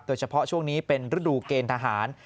โดยเฉพาะช่วงนี้เป็นฤดูเกณฑ์ทหาร